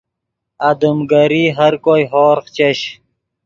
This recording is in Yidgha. آدم گری ہر کوئے ہورغ چش